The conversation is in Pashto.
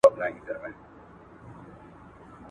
کرونا ناروغي تر فضايي تیږو ډېره جدي وګڼئ.